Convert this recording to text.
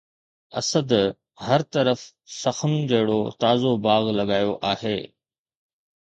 اسد هر طرف سخن جهڙو تازو باغ لڳايو آهي